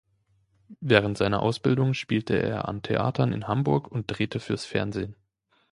Während seiner Ausbildung spielte er an Theatern in Hamburg und drehte fürs Fernsehen.